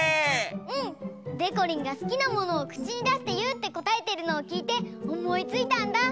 うん！でこりんが「すきなものをくちにだしていう」ってこたえてるのをきいておもいついたんだ！